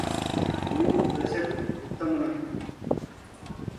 మూడు దశలు విత్తమునకు